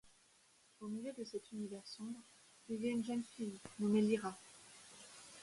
Au milieu de cet univers sombre, vivait une jeune fille nommée Lyra.